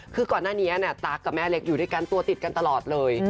คือก่อนหน้านี้ตั๊กกับแม่เล็กอยู่ด้วยกันตัวติดกันตลอดเลย